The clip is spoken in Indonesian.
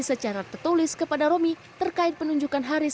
secara tertulis kepada romi terkait penunjukan haris